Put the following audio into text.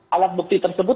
alat bukti tersebut